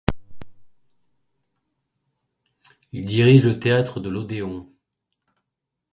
Il a dirigé le théâtre de l'Odéon.